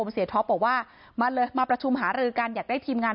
เพราะไม่มีเงินไปกินหรูอยู่สบายแบบสร้างภาพ